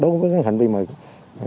còn trong cái hành vi này